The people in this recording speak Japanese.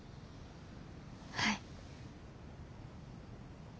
はい。